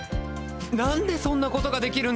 何でそんなことができるんだ